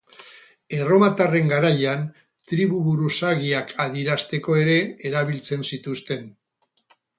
Erromatarren garaian, tribu-buruzagiak adierazteko ere erabiltzen zituzten.